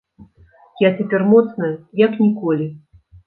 Я цяпер моцная, як ніколі.